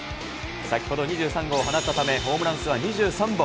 先ほど２３号を放ったため、ホームラン数は２３本。